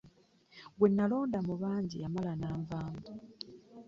Gwe nalonda mu bangi yamala n'anvaamu.